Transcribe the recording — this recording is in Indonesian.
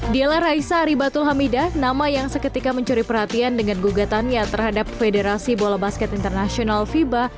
dialah raisa aribatul hamidah nama yang seketika mencuri perhatian dengan gugatannya terhadap federasi bola basket internasional fiba